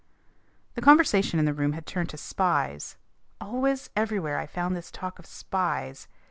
The conversation in the room had turned to spies. Always, everywhere, I found this talk of spies.